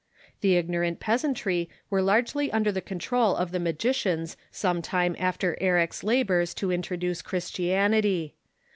The ignorant peasantry were largely under the control of the magicians some time after Eric's labors to introduce Christi anity.